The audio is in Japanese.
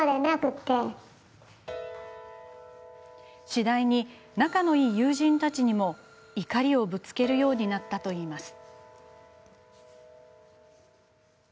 次第に、仲のいい友人たちにも怒りをぶつけるようになったといいます。